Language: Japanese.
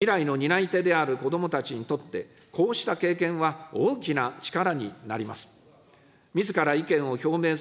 未来の担い手である子どもたちにとって、こうした経験は大きな力になります。